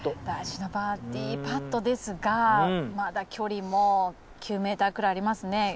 大事なバーディパットですがまだ距離も９ｍくらいありますね。